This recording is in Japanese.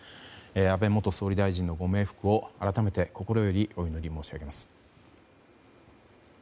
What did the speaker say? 安倍元総理大臣のご冥福を改めて心よりお祈り申し上げます。